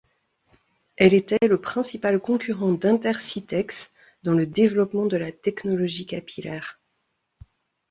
Elle était le principal concurrent d’Intercytex dans le développement de la technologie capillaire.